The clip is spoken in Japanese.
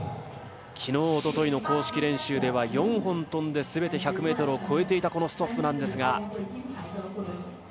きのう、おとといの公式練習では４本飛んですべて１００ｍを超えていたストッフなんですが。